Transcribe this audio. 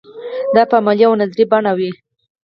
دا په عملي او نظري بڼه وي.